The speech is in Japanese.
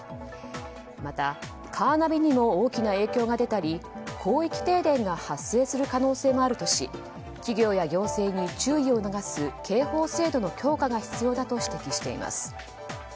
また、カーナビにも大きな影響が出たり広域停電が発生する可能性もあるとし企業や行政に注意を促す警報制度の強化が必要だと指摘しています。